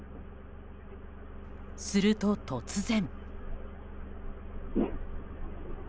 すると、突然。